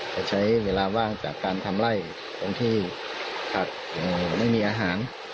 จะใช้เวลาว่างจากการทำไล่ตรงที่ผักไม่มีอาหาร